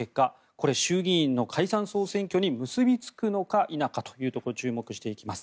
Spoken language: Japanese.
これ、衆議院の解散・総選挙に結びつくのか否かというところに注目していきます。